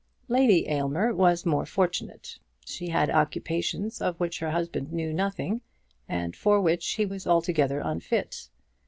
Lady Aylmer was more fortunate. She had occupations of which her husband knew nothing, and for which he was altogether unfit.